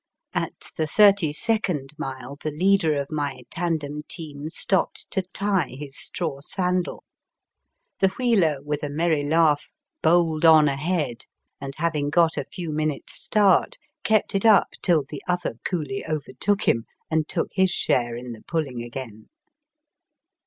At the thirty second mile the leader of my tandem team stopped to tie his straw sandal, The wheeler with a merry laugh bowled on. Digitized by VjOOQIC 246 EAST BT WEST. ahead, and having got a few minutes' start, kept it up till the other coolie overtook him and took his share in the pulling again.